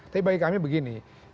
tapi bagi kami begini